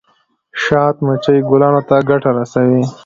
شات مچۍ ګلانو ته ګټه رسوي